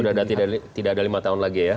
sudah tidak ada lima tahun lagi ya